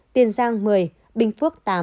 tiền giang một mươi bình phước tám